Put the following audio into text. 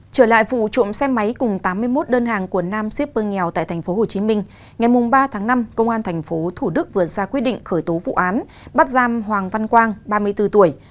trở lại vụ trộm xe máy cùng tám mươi một đơn hàng của nam shipper nghèo tại tp hcm ngày ba tháng năm công an tp thủ đức vừa ra quyết định khởi tố vụ án bắt giam hoàng văn quang ba mươi bốn tuổi